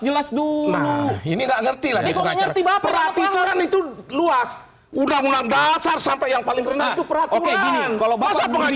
dengan di mana